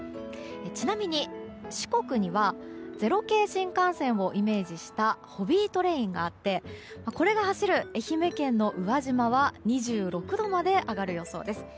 ちなみに、四国には０系新幹線をイメージしたホビートレインがあってこれが走る愛媛県の宇和島は２６度まで上がる予想です。